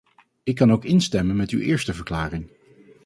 Ik kan ook instemmen met uw eerste verklaring.